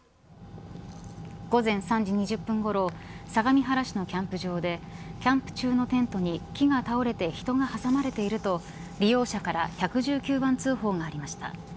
午前３時２０分ごろ相模原市のキャンプ場でキャンプ中のテントに木が倒れて人が挟まれていると利用者から１１９番通報がありました。